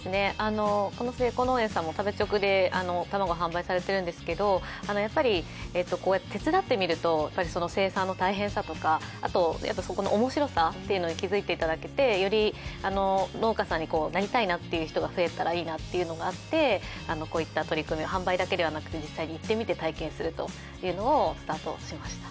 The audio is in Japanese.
素ヱコ農園さんも食べチョクで卵を販売されているんですけどこうやって手伝ってみると生産の大変さだとかそこの面白さに気づいていただけてより農家さんになりたいなという人が増えたらいいなというのがあってこういった取り組みを、販売だけではなくて実際に行ってみて体験するというのをスタートしました。